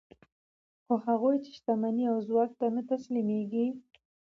خو هغوی چې شتمنۍ او ځواک ته نه تسلیمېږي